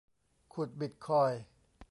ขุดบิตคอยน์